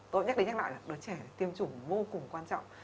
tôi nhắc đến nhắc lại là đứa trẻ tiêm chủng vô cùng quan trọng